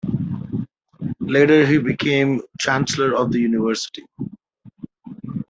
Later, he became chancellor of the university.